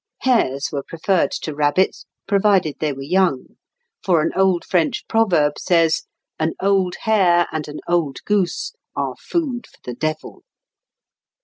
Hares were preferred to rabbits, provided they were young; for an old French proverb says, "An old hare and an old goose are food for the devil."